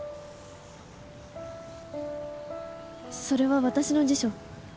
それは私の辞書。